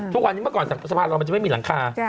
ทุกวันนี้เมื่อก่อนจากสะพานลอยมันจะไม่มีหลังคา